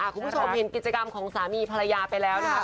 คุณผู้ชมเห็นกิจกรรมของสามีภรรยาไปแล้วนะคะ